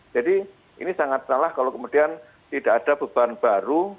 jadi ini sangat salah kalau kemudian tidak ada beban baru